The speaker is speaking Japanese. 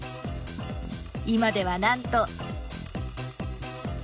今ではなんと。